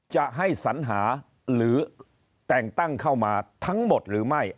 จะให้สัญหาหรือแต่งตั้งเข้ามาทั้งหมดหรือไม่